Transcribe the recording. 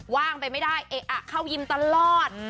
ว่างไปไม่ได้เขายิ่มตลอด